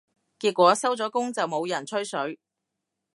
結果收咗工就冇人吹水